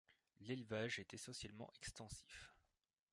L'élevage est essentiellement extensif.